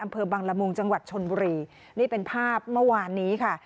อำเภอบังละมุงจังหวัดชนบุรีนี่เป็นภาพเมื่อวานนี้ค่ะ